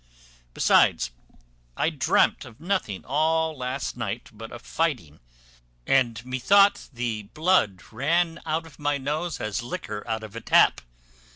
besides, I dreamt of nothing all last night but of fighting; and methought the blood ran out of my nose, as liquor out of a tap.